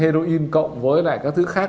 đô in cộng với lại các thứ khác